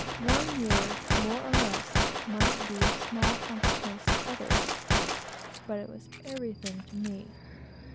One year more or less might be of small consequence to others, but it was everything to me.